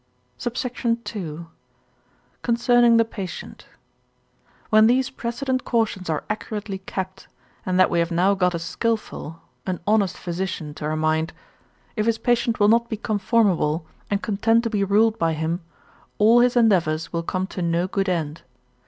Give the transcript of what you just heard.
SUBSECT. II.—Concerning the Patient. When these precedent cautions are accurately kept, and that we have now got a skilful, an honest physician to our mind, if his patient will not be conformable, and content to be ruled by him, all his endeavours will come to no good end.